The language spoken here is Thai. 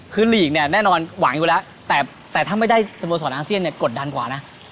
คือลีกเนี่ยแน่นอนหวังอยู่แล้วแต่ถ้าไม่ได้สโมสรอาเซียนเนี่ยกดดันกว่านะ